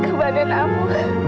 ke badan aku